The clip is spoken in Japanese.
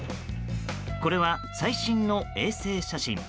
これは最新の衛星写真。